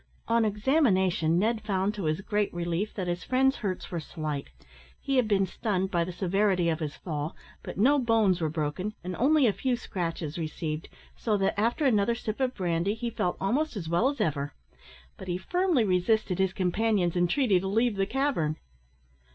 On examination, Ned found, to his great relief; that his friend's hurts were slight. He had been stunned by the severity of his fall, but no bones were broken, and only a few scratches received, so that, after another sip of brandy, he felt almost as well as ever. But he firmly resisted his companion's entreaty to leave the cavern.